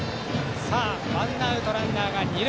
さあ、ワンアウトランナーが二塁。